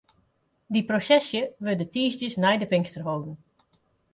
Dy prosesje wurdt de tiisdeis nei de Pinkster holden.